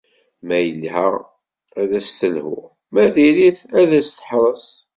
Ma yelha, ad as-telhu; ma diri-t, ad as-teḥṛes.